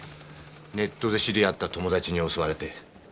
ネットで知り合った友だちに襲われて。